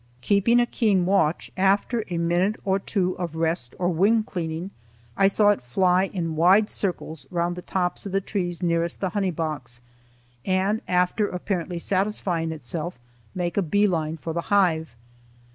Keeping a keen watch, after a minute or two of rest or wing cleaning, I saw it fly in wide circles round the tops of the trees nearest the honey box, and, after apparently satisfying itself, make a bee line for the hive.